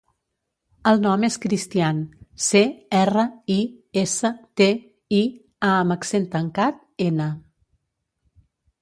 El nom és Cristián: ce, erra, i, essa, te, i, a amb accent tancat, ena.